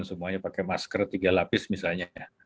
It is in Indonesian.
semuanya pakai masker tiga lapis misalnya